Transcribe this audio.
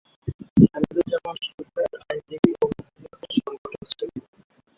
হামিদুজ্জামান সরকার আইনজীবী ও মুক্তিযুদ্ধের সংগঠক ছিলেন।